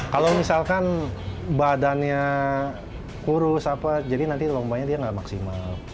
kalau misalkan badannya kurus apa jadi nanti lombanya dia nggak maksimal